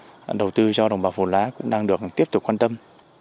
chính sách đầu tư cho đồng bào phù lá cũng đang được tiếp tục quan tâm